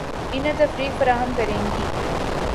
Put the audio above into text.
انھیں تفریح فراہم کریں گی